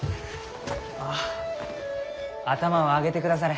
あ頭を上げてくだされ。